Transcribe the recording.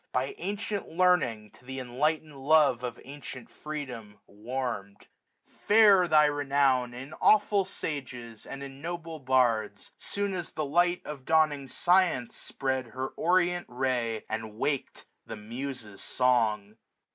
By antient learning to th' enlightened love Of antient freedom warmM. Fair thy renown 1530 In awful Sages and in noble Bards ; Soon as the light of dawning Science spread Her orient ray, and wak'd the Muses' song.